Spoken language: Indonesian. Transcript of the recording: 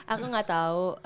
aku gak tahu